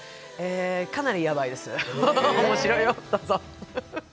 かなりヤバいです、面白いよ、どうぞ。